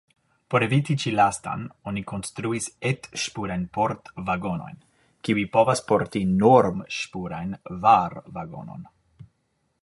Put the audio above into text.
Por eviti ĉi-lastan oni konstruis et-ŝpurajn port-vagonojn, kiuj povas porti norm-ŝpuran var-vagonon.